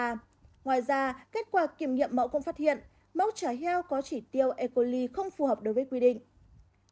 ngoài ra kết quả kiểm nghiệm mẫu cũng phát hiện mẫu trà heo có chỉ tiêu e coli không phù hợp đối với quy định